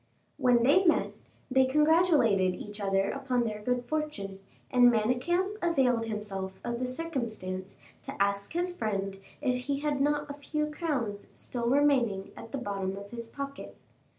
When they met, they congratulated each other upon their good fortune, and Manicamp availed himself of the circumstance to ask his friend if he had not a few crowns still remaining at the bottom of his pocket.